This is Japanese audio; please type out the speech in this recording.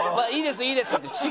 「いいですいいです」って。